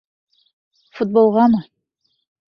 Футболғамы?